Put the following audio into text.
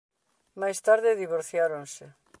Máis tarde divorciáronse.